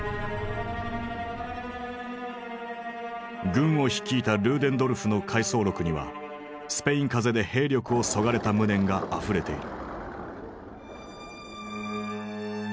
軍を率いたルーデンドルフの回想録にはスペイン風邪で兵力をそがれた無念があふれている。